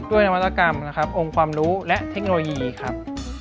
ด้วยนวัตกรรมองค์ความรู้และเทคโนโลยีครับ